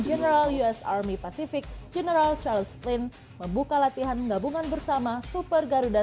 general us army pacific general charles prince membuka latihan gabungan bersama super garuda